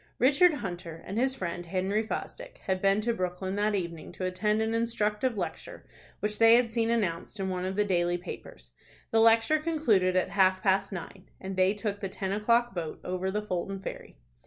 Richard Hunter and his friend Henry Fosdick had been to Brooklyn that evening to attend an instructive lecture which they had seen announced in one of the daily papers. The lecture concluded at half past nine, and they took the ten o'clock boat over the Fulton ferry.